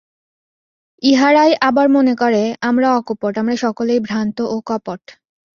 ইহারাই আবার মনে করে, আমরা অকপট, আর সকলেই ভ্রান্ত ও কপট।